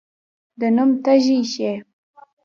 د نوم تږی شي.